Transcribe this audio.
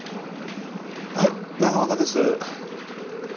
はい永岡です。